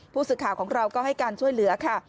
ผู้สื่อข่าวของเราก็ให้การช่วยเหลือค่ะ